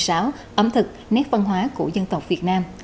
sáo ẩm thực nét văn hóa của dân tộc việt nam